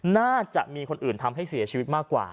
น่าจะมีคนอื่นทำให้เสียชีวิตมากกว่า